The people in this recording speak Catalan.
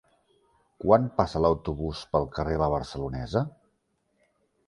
Quan passa l'autobús pel carrer La Barcelonesa?